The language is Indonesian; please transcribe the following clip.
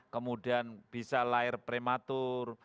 kemudian bisa lahir prematur